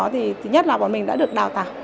thì nhất là bọn mình đã được đào tạo